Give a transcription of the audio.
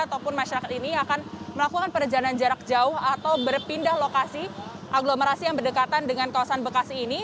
ataupun masyarakat ini akan melakukan perjalanan jarak jauh atau berpindah lokasi aglomerasi yang berdekatan dengan kawasan bekasi ini